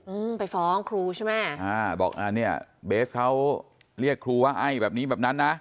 อืมไปฟ้องครูใช่ไหมอ่าบอกอ่าเนี้ยเบสเขาเรียกครูว่าไอ้แบบนี้แบบนั้นนะ